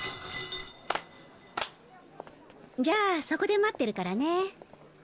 じゃあそこで待ってるからね。